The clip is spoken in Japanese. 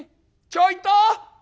「ちょいと！